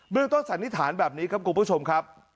เรื่องต้นสันนิษฐานแบบนี้ครับคุณผู้ชมครับ